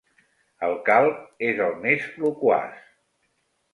El calb és el més loquaç.